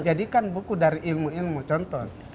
jadi kan buku dari ilmu ilmu contoh